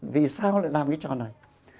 vì sao lại làm cái trò này